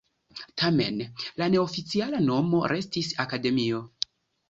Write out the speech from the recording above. Tamen la neoficiala nomo restis akademio.